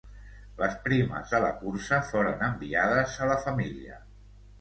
Les primes de la cursa foren enviades a la família.